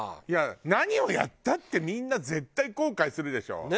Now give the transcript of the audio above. いや何をやったってみんな絶対後悔するでしょ。